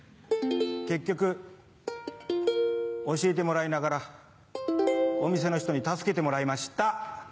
結局教えてもらいながらお店の人に助けてもらいました。